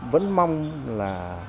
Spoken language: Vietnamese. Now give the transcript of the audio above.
vẫn mong là